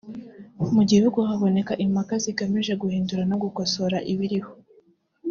mu gihugu haboneka impaka zigamije guhindura no gukosora ibiriho